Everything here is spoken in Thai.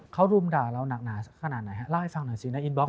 เขารุมด่าเราหนักขนาดไหนคะล่าให้ฟังหน่อยสิแล้วอินบล็อกมันเจอ